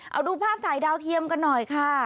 เอาดูภาพถ่ายดาวเทียมกันหน่อยค่ะ